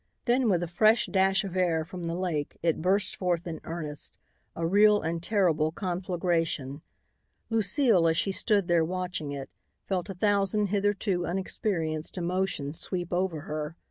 Then with a fresh dash of air from the lake it burst forth in earnest, a real and terrible conflagration. Lucile, as she stood there watching it, felt a thousand hitherto unexperienced emotions sweep over her.